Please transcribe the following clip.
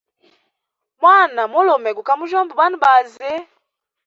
Mwana mulume guka mujyomba banabazi.